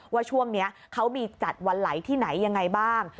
ว่าช่วงนี้เขามีจัดวันไหลที่ไหนยังไงบ้าง